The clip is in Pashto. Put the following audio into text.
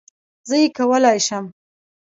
زه یې کولای شم